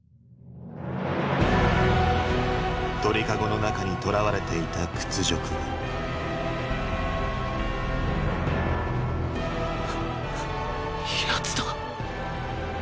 鳥籠の中に囚われていた屈辱をヤツだ。